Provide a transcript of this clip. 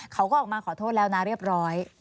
เขาก็ออกมาขอโทษแล้วนะเรียบร้อย